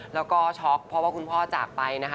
แล้วก็ช็อกเพราะว่าคุณพ่อจากไปนะคะ